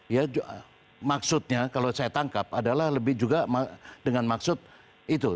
ya maksudnya kalau saya tangkap adalah lebih juga dengan maksud itu